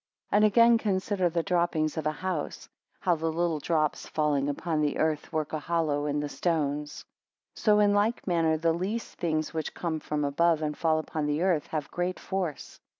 16 And again, consider, the droppings of a house; how the little drops falling upon the earth, work a hollow in the stones. 17 So in like manner the least things which come from above, and fall upon the earth, have great force.